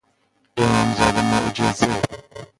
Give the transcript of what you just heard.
امام زاده معجزه